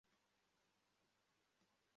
Umuryango utegura ameza yo gufungura ibirori